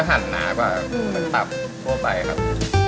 อันนี้ชื่อไหม